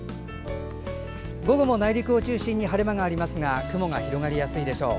午後も内陸を中心に晴れ間がありますが雲が広がりやすいでしょう。